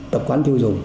tập quán tiêu dùng